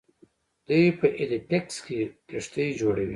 دوی په هیلیفیکس کې کښتۍ جوړوي.